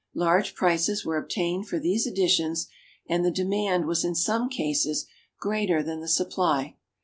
Large prices were obtained for these editions, and the demand was in some cases greater than the supply.